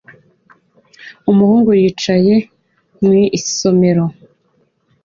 Umuhungu yicaye mu isomero